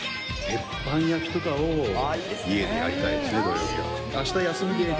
鉄板焼きとかを家でやりたいですね。